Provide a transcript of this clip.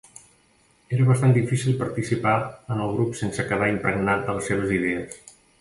Era bastant difícil participar en el grup sense quedar impregnat de les seves idees.